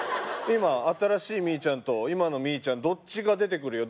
新しいミーちゃんと今のミーちゃんどっちが出てくるよ